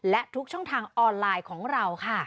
และทุกช่องทางออนไลน์ของเราค่ะ